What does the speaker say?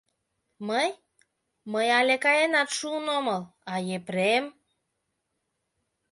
Мый... мый але каенат шуын омыл, а Епрем...